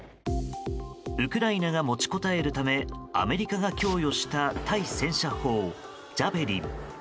ウクライナが持ちこたえるためアメリカが供与した対戦車砲ジャベリン。